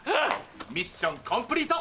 ミッションコンプリート。